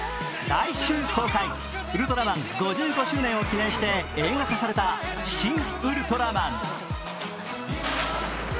来週公開ウルトラマン５５周年を記念して映画化された「シン・ウルトラマン」。